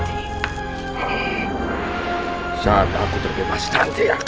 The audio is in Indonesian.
desa horengin vitu pak